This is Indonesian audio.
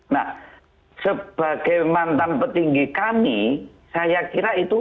nah sebagai mantan petinggi kami saya kira itu